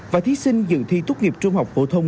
và thí sinh dự thi tốt nghiệp trung học phổ thông